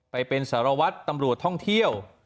ไปเป็นสารวัตรตำรวจท่องเที่ยว